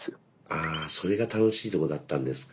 ああそれが楽しいとこだったんですか。